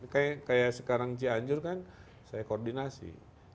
kayak sekarang cianjur kan saya koordinasi